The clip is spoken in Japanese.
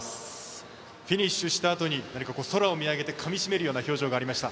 フィニッシュしたあとに空を見上げてかみ締めるような表情がありました。